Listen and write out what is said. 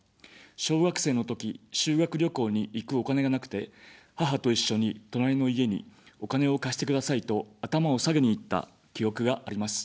小学生のとき、修学旅行に行くお金がなくて、母と一緒に隣の家にお金を貸してくださいと頭を下げに行った記憶があります。